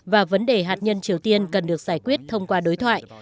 và vấn đề hạt nhân triều tiên cần được giải quyết thông qua đối thoại